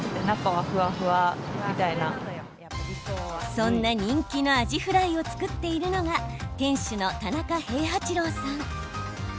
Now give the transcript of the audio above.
そんな人気のアジフライを作っているのが店主の田中平八郎さん。